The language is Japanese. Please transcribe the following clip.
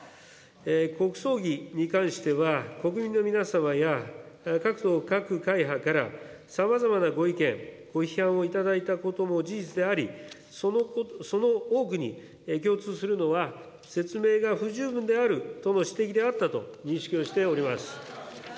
国葬儀に関しては、国民の皆様や各党、各会派からさまざまなご意見、ご批判をいただいたことも事実であり、その多くに共通するのは、説明が不十分であるとの指摘であったと認識をしております。